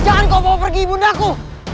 jangan kau bawa pergi ibu daku